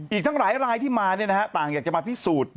อีกทั้งหลายรายที่มาต่างอยากจะมาพิสูจน์